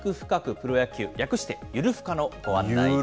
プロ野球、略して、ゆるふかのご案内です。